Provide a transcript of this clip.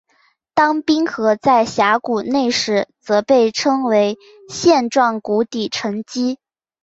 当冰河在峡谷内时则被称为线状谷底沉积。